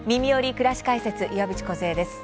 くらし解説」岩渕梢です。